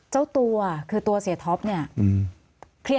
เจ้าตัวคือตัวเสียท็อปเนี่ย